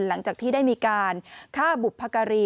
หลังจากที่ได้มีการฆ่าบุพการี